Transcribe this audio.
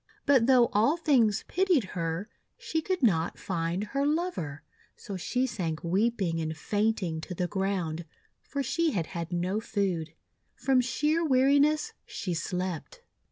But though all things pitied her, she could not find her lover; so she sank weeping and faint ing to the ground, for she had had no food. From sheer weariness she slept.